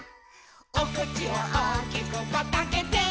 「おくちをおおきくパッとあけて」